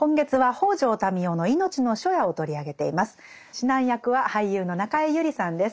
指南役は俳優の中江有里さんです。